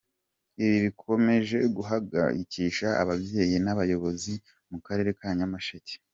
Ibi bikomeje guhangayikisha ababyeyi n’abayobozi mu karere ka Nyamasheke.